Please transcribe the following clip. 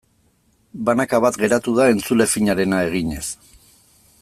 Banaka bat geratu da entzule finarena eginez.